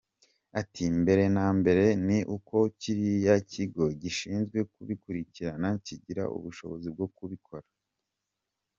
Ati “Mbere na mbere ni uko kiriya kigo gishinzwe kubikurikirana kigira ubushobozi bwo kubikora.